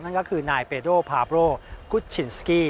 นั่นก็คือนายเปด้าภาโบโลคุทชินสกี้